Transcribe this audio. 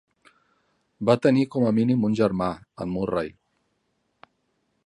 Va tenir com a mínim un germà, en Murray.